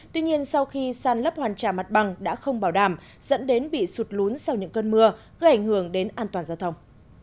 tuy nhiên sau khi san lấp hoàn trả mặt bằng đã không bảo đảm dẫn đến bị sụt lún sau những cơn mưa gây ảnh hưởng đến an toàn giao thông